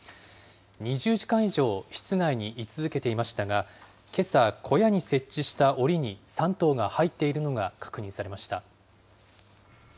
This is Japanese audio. ２０時間以上、室内に居続けていましたが、けさ、小屋に設置したおりに３頭が入っているのが確認されました。